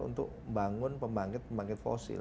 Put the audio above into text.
untuk membangun pembangkit pembangkit fosil